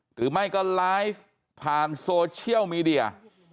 หรือไม่ก็ไลฟ์ผ่านโซเชียลมีเดีย